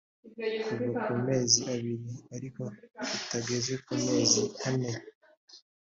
kuva ku mezi abiri ariko kitageze ku mezi ane